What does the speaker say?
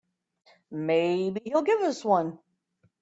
Maybe he'll give us one.